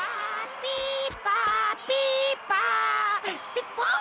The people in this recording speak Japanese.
ピーポー！